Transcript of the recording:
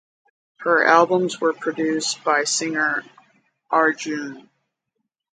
Her albums were produced by singer Arjun.